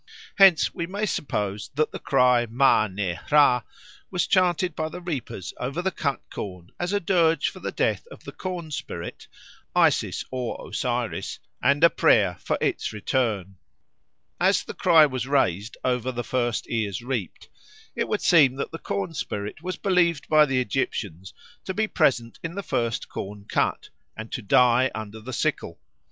Hence we may suppose that the cry maa ne hra was chanted by the reapers over the cut corn as a dirge for the death of the corn spirit (Isis or Osiris) and a prayer for its return. As the cry was raised over the first ears reaped, it would seem that the corn spirit was believed by the Egyptians to be present in the first corn cut and to die under the sickle.